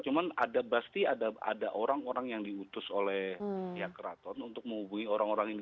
cuma ada pasti ada orang orang yang diutus oleh keraton untuk menghubungi orang orang ini